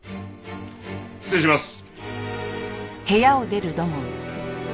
失礼します。